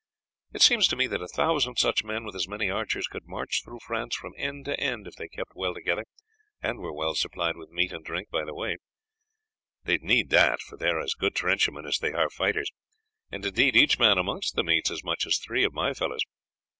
It seemed to me that a thousand such men, with as many archers, could march through France from end to end, if they kept well together, and were well supplied with meat and drink by the way they would need that, for they are as good trenchermen as they are fighters, and indeed each man amongst them eats as much as three of my fellows."